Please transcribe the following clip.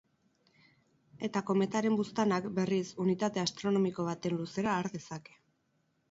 Eta kometaren buztanak, berriz, unitate astronomiko baten luzera har dezake.